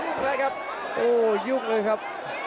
ส่วนหน้านั้นอยู่ที่เลด้านะครับ